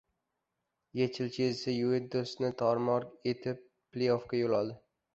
YeChL. «Chelsi» «Yuventus»ni tor-mor etib pley-offga yo‘l oldi